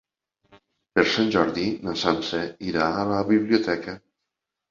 Per Sant Jordi na Sança irà a la biblioteca.